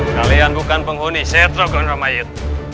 kalian bukan penghuni setro gondomayut